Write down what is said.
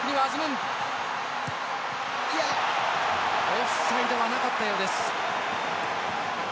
オフサイドはなかったようです。